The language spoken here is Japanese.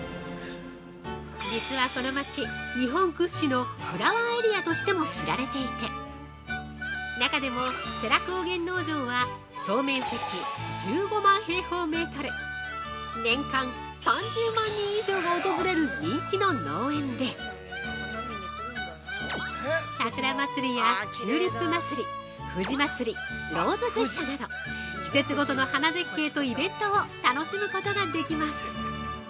実は、この町、日本屈指のフラワーエリアとしても知られていて中でも世羅高原農場は総面積１５万平方メートル年間３０万人以上が訪れる人気の農園でさくらまつりやチューリップ祭、ふじまつり、ローズフェスタなど季節ごとの花絶景とイベントを楽しむことができます。